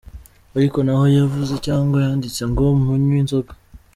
Ariko ntaho yavuze cyangwa yanditse ngo munywe inzoga.